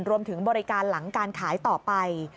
รวมถึงบริการหลังการขายต่อไป